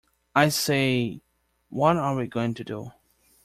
I say, what are we going to do?